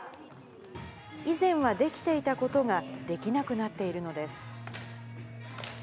以前はできていたことができなくなっているのです。